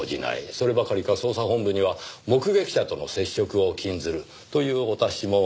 そればかりか捜査本部には目撃者との接触を禁ずるというお達しも出たとか。